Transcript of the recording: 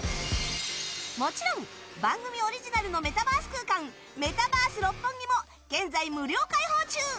もちろん番組オリジナルのメタバース空間メタバース六本木も現在、無料開放中！